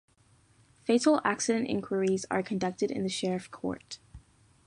Fatal accident inquiries are conducted in the Sheriff Court.